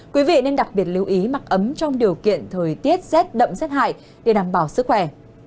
quý vị nên đặc biệt lưu ý mặc ấm trong điều kiện thời tiết rét đậm rét hại để đảm bảo sức khỏe